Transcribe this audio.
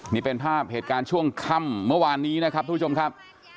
นี่เป็นภาพเหตุการณ์ช่วงค่ำเมื่อวานนี้นะครับทุกผู้ชมครับ